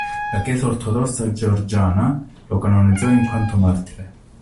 La Chiesa ortodossa georgiana lo canonizzò in quanto martire.